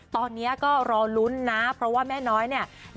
ตอนนี้ก็รอลุ้นนะเพราะว่าแม่น้อยเนี่ย